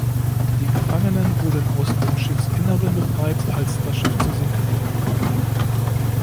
Die Gefangenen wurden aus dem Schiffsinneren befreit, als das Schiff zu sinken begann.